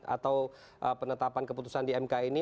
atau penetapan keputusan di mk ini